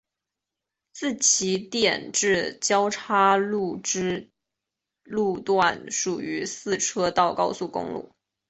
自起点至交叉口之路段属于四车道高速公路。